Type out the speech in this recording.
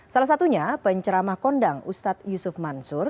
salah satunya penceramah kondang ustadz yusuf mansur